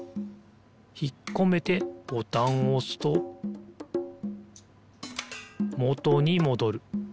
ひっこめてボタンをおすともとにもどる。